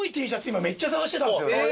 今めっちゃ探してたんですよ。